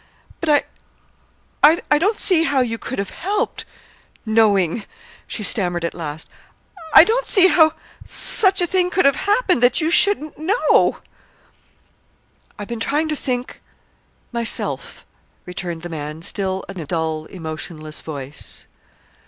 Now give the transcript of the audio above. "But I I don't see how you could have helped knowing," she stammered at last. "I don't see how such a thing could have happened that you shouldn't know!" "I've been trying to think, myself," returned the man, still in a dull, emotionless voice.